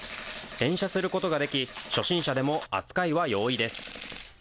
連射することができ、初心者でも扱いは容易です。